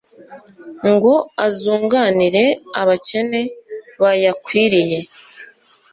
ngo azunganire abakene bayakwiriye